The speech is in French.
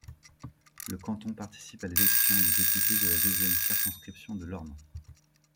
Le canton participe à l'élection du député de la deuxième circonscription de l'Orne.